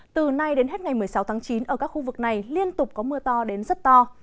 từ nay đến hết ngày một mươi sáu tháng chín ở các khu vực này liên tục có mưa to đến rất to